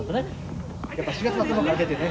やっぱ４月の頭から出てね。